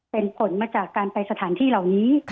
เป็นผลมาจากการไปสถานที่เหล่านี้